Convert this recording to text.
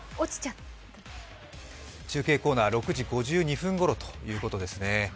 中継コーナー６時５２分ごろということですね。